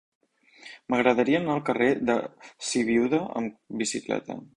M'agradaria anar al carrer de Sibiuda amb bicicleta.